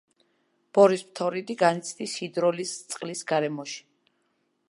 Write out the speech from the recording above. ბორის ფთორიდი განიცდის ჰიდროლიზს წყლის გარემოში.